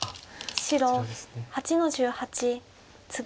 白８の十八ツギ。